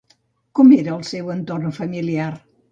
Com era el seu entorn familiar?